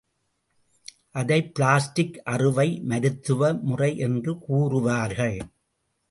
அதை பிளாஸ்டிக் அறுவை மருத்துவ முறை என்று கூறுவார்கள்.